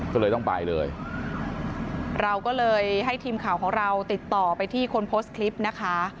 ก็เลยต้องไปเลยเราก็เลยให้ทีมข่าวของเราติดต่อไปที่คนโพสต์คลิปนะคะ